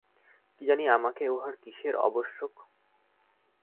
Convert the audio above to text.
কি জানি আমাকে উহার কিসের আবশ্যক!